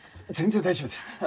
全然大丈夫です。